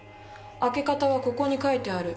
開け方はここに書いてある。